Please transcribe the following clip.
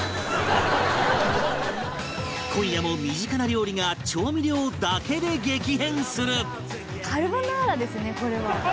今夜も身近な料理が調味料だけで激変する